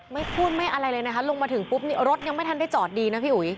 ไม่พูดไม่อะไรเลยนะคะลงมาถึงปุ๊บรถยังไม่ทันได้จอดดีนะพี่อุ๋ย